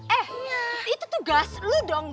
eh itu tugas lu dong